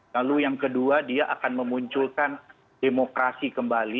lalu yang kedua dia akan memunculkan demokrasi kembali